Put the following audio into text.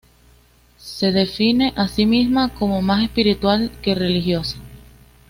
Se define a sí misma como "más espiritual que religiosa".